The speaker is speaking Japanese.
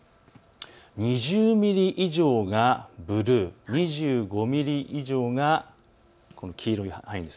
２０ミリ以上がブルー、２５ミリ以上が黄色い範囲です。